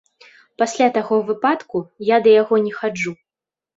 Пасля таго выпадку я да яго не хаджу.